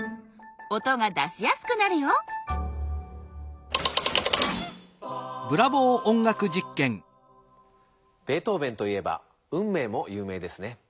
音が出しやすくなるよベートーベンといえば「運命」もゆう名ですね。